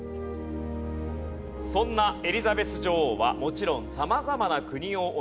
そんなエリザベス女王はもちろん様々な国を訪れています。